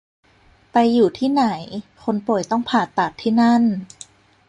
ไปอยู่ที่ไหน คนป่วยต้องผ่าตัดที่นั่น